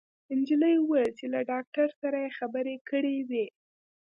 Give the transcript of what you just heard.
انجلۍ وويل چې له داکتر سره يې خبرې کړې وې